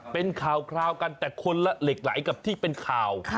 เป็นข่าวกันแต่คนละเหล็กไหลกับที่เป็นข่าว